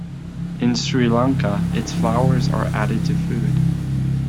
In Sri Lanka, its flowers are added to food.